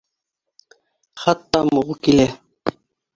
Хатта мул килә